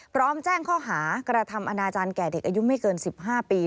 พร้อมแจ้งข้อหากระทำอนาจารย์แก่เด็กอายุไม่เกิน๑๕ปี